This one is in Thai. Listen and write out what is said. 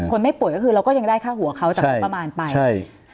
ไม่ป่วยก็คือเราก็ยังได้ค่าหัวเขาจากงบประมาณไปใช่